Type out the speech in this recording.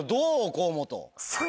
河本。